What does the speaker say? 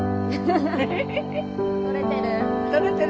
撮れてる？